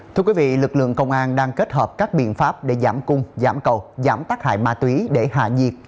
thưa quý vị lực lượng công an đang kết hợp các biện pháp để giảm cung giảm cầu giảm tắc hại ma túy để hạ nhiệt